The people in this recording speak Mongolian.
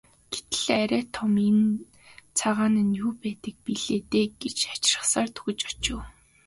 Гэтэл арай том энэ цагаан нь юу байдаг билээ дээ гэж хачирхсаар дөхөж очив.